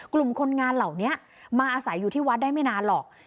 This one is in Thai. กลุ่มคนงานเหล่านี้มาอาศัยอยู่ที่วัดได้ไม่นานหรอก